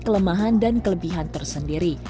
kelemahan dan kelebihan tersendiri